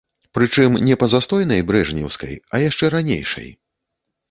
Прычым, не па застойнай брэжнеўскай, а яшчэ ранейшай.